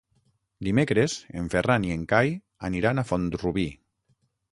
Dimecres en Ferran i en Cai aniran a Font-rubí.